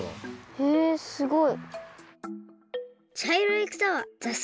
へえすごい！